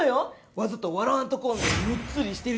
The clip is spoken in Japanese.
わざと「笑わんとこう」みたいにむっつりしてる人とか。